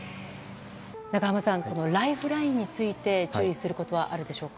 中濱さん、ライフラインについて注意することはあるでしょうか？